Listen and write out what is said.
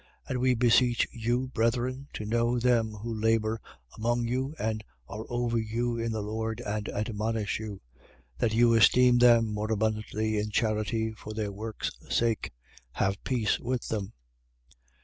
5:12. And we beseech you, brethren, to know them who labour among you and are over you in the Lord and admonish you; 5:13. That you esteem them more abundantly in charity, for their work's sake. Have peace with them.